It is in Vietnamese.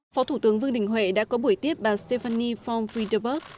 phó thủ tướng vương đình huệ đã có buổi tiếp bà stephanie von friederberg